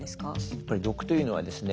やっぱり毒というのはですね